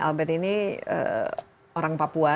albert ini orang papua